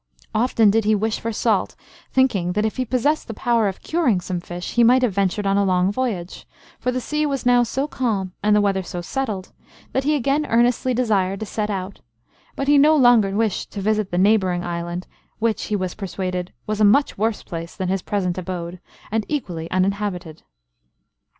Often did he wish for salt, thinking, that if he possessed the power of curing some fish, he might have ventured on a long voyage, for the sea was now so calm, and the weather so settled, that he again earnestly desired to set out; but he no longer wished to visit the neighbouring island, which, he was persuaded, was a much worse place than his present abode, and equally uninhabited.